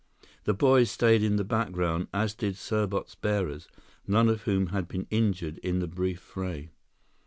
The boys stayed in the background as did Serbot's bearers, none of whom had been injured in the brief fray.